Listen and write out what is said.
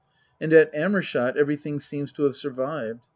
And at Amershott everything seemed to have survived.